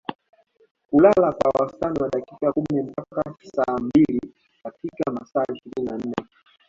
Hulala kwa wastani wa dakika kumi mpaka saa mbili katika masaa ishirini na nne